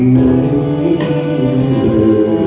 ไหนเหลือ